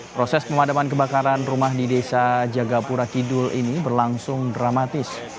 proses pemadaman kebakaran rumah di desa jagapura kidul ini berlangsung dramatis